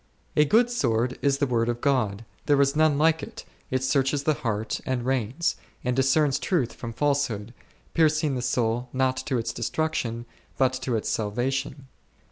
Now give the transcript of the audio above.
A good sword is the word of God, there is none like it ; it searches the heart and reins, and discerns truth from falsehood, piercing the soul not to its destruction but to its salvation.